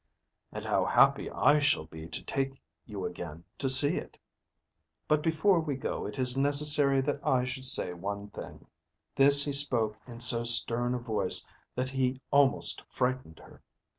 "And how happy I shall be to take you again to see it! But before we go it is necessary that I should say one thing." This he spoke in so stern a voice that he almost frightened her.